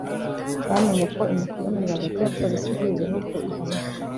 bamenye ko imikoranire hagati ya Polisi z’ibi bihugu ihamye